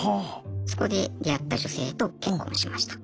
そこで出会った女性と結婚しました。